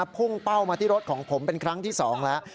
พุ่งเป้ามาที่รถของผมเป็นครั้งที่๒แล้ว